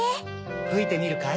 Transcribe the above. ふいてみるかい？